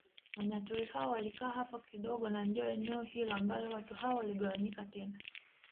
Wanyaturu hao walikaa hapo kidogo na ndio eneo hilo ambalo watu hao waligawanyika tena